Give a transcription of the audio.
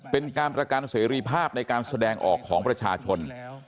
เป็นการประกันเสรีภาพในการแสดงออกของประชาชน